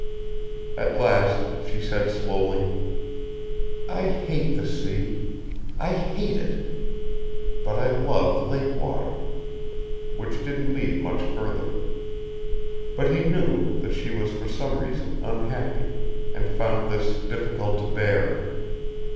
At last she said slowly, "I hate the sea.... I hate it. But I love lake water," which didn't lead much further. But he knew that she was for some reason unhappy, and found this difficult to bear.